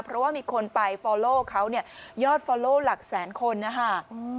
เพราะว่ามีคนไปฟอลโลว์เขายอดฟอลโลว์หลักแสนคนนะฮะ